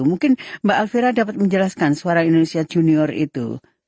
mungkin mbak alfira dapat menjelaskan suara indonesia junior itu